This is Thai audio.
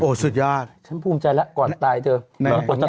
สุดยอดฉันภูมิใจแล้วก่อนตายเธอ